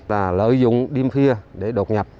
là lợi dụng đêm phia để đột nhập